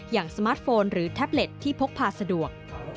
สมาร์ทโฟนหรือแท็บเล็ตที่พกพาสะดวก